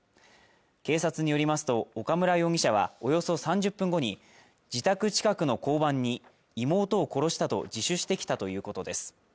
警察によりますと岡村容疑者はおよそ３０分後に自宅近くの交番に妹を殺したと自首してきたということです